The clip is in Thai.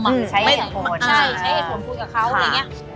ใช้ให้ผลคุยกับเขาอะไรอย่างเงี้ย